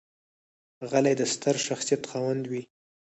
غلی، د ستر شخصیت خاوند وي.